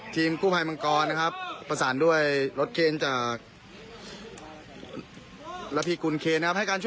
ระวังหมุนระวังหมุนระวังหมุน